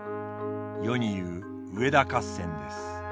世に言う上田合戦です。